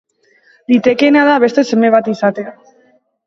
Litekeena da beste seme bat izatea.